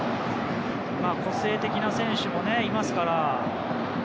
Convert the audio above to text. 個性的な選手もいますから。